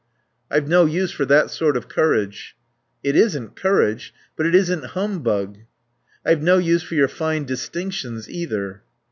"I've no use for that sort of courage." "It isn't courage. But it isn't humbug." "I've no use for your fine distinctions either."